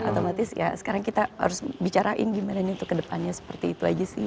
otomatis ya sekarang kita harus bicarain gimana nih untuk kedepannya seperti itu aja sih